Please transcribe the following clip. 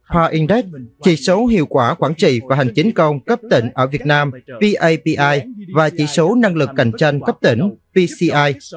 hindex chỉ số hiệu quả quản trị và hành chính công cấp tỉnh ở việt nam papi và chỉ số năng lực cạnh tranh cấp tỉnh pci